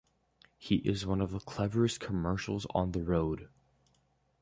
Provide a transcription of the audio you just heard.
He is one of the cleverest commercials on the road.